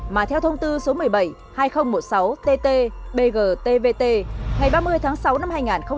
mà theo thông tư số một mươi bảy hai nghìn một mươi sáu tt bg tvt ngày ba mươi tháng sáu năm hai nghìn một mươi tám